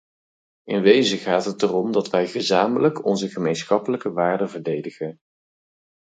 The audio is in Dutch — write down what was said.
In wezen gaat het erom dat wij gezamenlijk onze gemeenschappelijke waarden verdedigen.